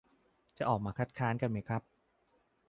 จะออกมาค้านกันไหมครับ